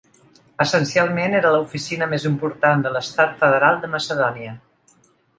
Essencialment era l'oficina més important de l'estat federal de Macedonia.